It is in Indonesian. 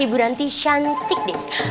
ibu ranti cantik deh